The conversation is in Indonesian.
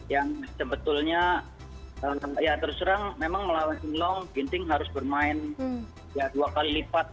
yang sebetulnya ya terus terang memang melawan sing long ginting harus bermain dua kali lipat